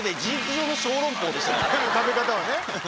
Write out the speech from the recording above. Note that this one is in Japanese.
食べ方はね。